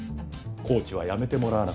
コーチは辞めてもらわなくちゃ。